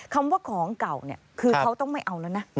คำว่าของเก่าเนี่ยคือเขาต้องไม่เอาแล้วนะ